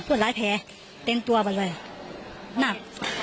พวกหลายแผลเตรียมตัวไปเลยหนัก